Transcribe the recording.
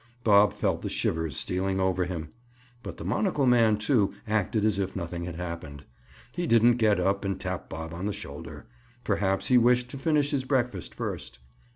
Bob felt the shivers stealing over him. But the monocle man, too, acted as if nothing had happened. He didn't get up and tap Bob on the shoulder. Perhaps he wished to finish his breakfast first.